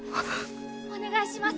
お願いします！